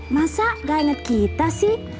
masa gak inget kita sih